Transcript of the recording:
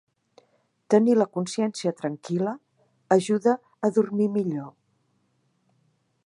Tenir la consciència tranquil·la ajuda a dormir millor.